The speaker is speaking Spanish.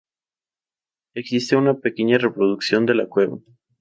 Existe una pequeña reproducción de la cueva.